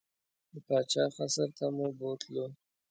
د پاچا قصر ته مو بوتلو.